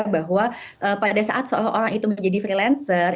bahwa pada saat seorang itu menjadi freelancer